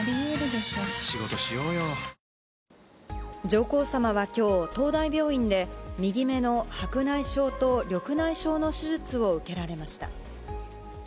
上皇さまはきょう、東大病院で、右目の白内障と緑内障の手術を受けられました。